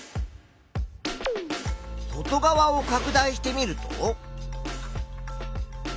外側をかく大してみると。